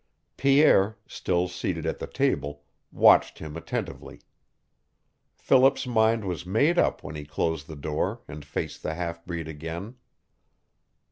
Pierre, still seated at the table, watched him attentively. Philip's mind was made up when he closed the door and faced the half breed again.